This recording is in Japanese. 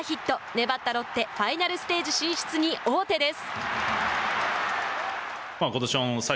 粘ったロッテファイナルステージ進出に王手です。